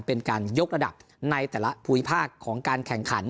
เป็นการยกระดับในแต่ละภูมิภาคของการแข่งขัน